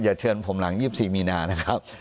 เชิญผมหลัง๒๔มีนานะครับ